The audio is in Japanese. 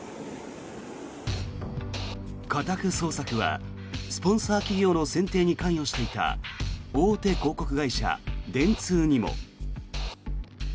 家宅捜索はスポンサー企業の選定に関与していた大手広告会社、電通にも。